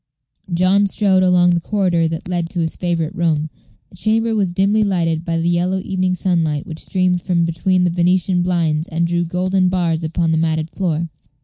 John strode along the corridor that led to his favorite room. The chamber was dimly lighted by the yellow evening sunlight which streamed from between the Venetian blinds and drew golden bars upon the matted floor.